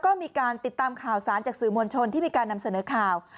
ก็มีการติดตามข่าวสารจากสื่อมวลชนที่มีการนำเสนอข่าว